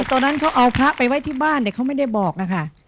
ตอนนั้นเขาเอาพระไปไว้ที่บ้านแต่เขาไม่ได้บอกค่ะ